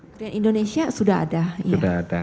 gi sudah ada